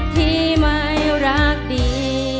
ที่ไม่รักดี